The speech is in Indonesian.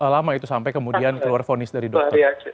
lama itu sampai kemudian keluar fonis dari dokter